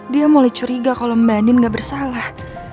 dia mulai curiga kalo mba nien gak bersalah